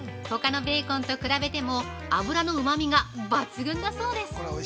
ほかのベーコンと比べても脂のうまみが抜群だそうです。